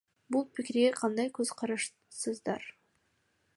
Бул пикирге кандай көз караштасыздар?